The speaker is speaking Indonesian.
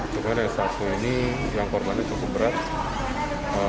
cuman yang satu ini yang korbannya cukup berat